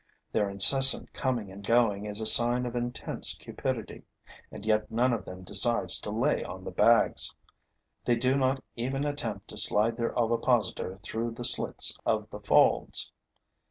Their incessant coming and going is a sign of intense cupidity; and yet none of them decides to lay on the bags. They do not even attempt to slide their ovipositor through the slits of the folds.